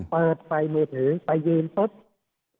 เปิดไฟมือถือไปยืนปุ๊บ